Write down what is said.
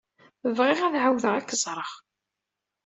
Bɣiɣ ad ɛawdeɣ ad k-ẓreɣ.